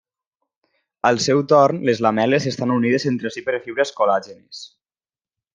Al seu torn, les lamel·les estan unides entre si per fibres col·làgenes.